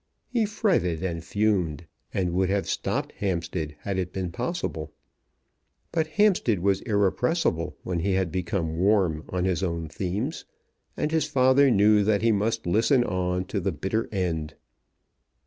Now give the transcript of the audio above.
He fretted and fumed, and would have stopped Hampstead had it been possible; but Hampstead was irrepressible when he had become warm on his own themes, and his father knew that he must listen on to the bitter end.